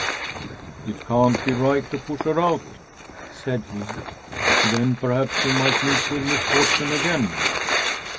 "It can't be right to push her out," said he. "Then, perhaps, she might meet with misfortune again."